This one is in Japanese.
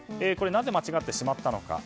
なぜ間違ってしまったのか。